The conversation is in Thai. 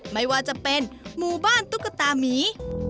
ไม่ว่าจะเป็นหมู่บ้านตุ๊กตามี